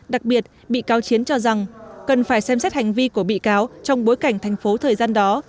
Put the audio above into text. đặc biệt bị cáo chiến cho rằng cần phải xem xét hành vi của bị cáo trong bối cảnh thành phố thời gian đó